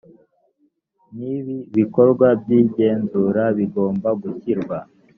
n ibi bikorwa by igenzura bigomba gushyirwa